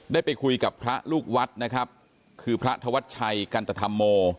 ได้ไปคุยกับพระลูกวัดนะครับคือพระธวัชชัยกันตธรรมโม